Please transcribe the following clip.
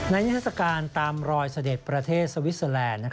นิทัศกาลตามรอยเสด็จประเทศสวิสเตอร์แลนด์